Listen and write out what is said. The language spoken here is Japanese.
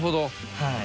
はい。